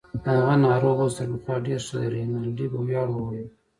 هغه ناروغ اوس تر پخوا ډیر ښه دی. رینالډي په ویاړ وویل.